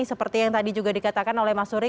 seperti yang tadi juga dikatakan oleh mas suri